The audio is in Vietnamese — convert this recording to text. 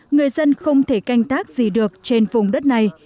người dân không thể canh tác gì được trên vùng đất này